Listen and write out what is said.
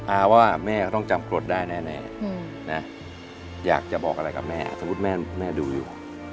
อาว่าแม่ก็ต้องจำกรดได้แน่นะอยากจะบอกอะไรกับแม่สมมุติแม่ดูอยู่